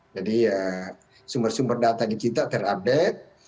jadi sumber sumber data kita terupdate